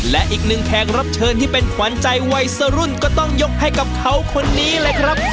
และอีกหนึ่งแขกรับเชิญที่เป็นขวัญใจวัยสรุ่นก็ต้องยกให้กับเขาคนนี้เลยครับ